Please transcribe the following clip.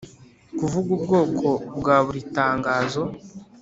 Kuvuga ubwoko bwa buri tangazo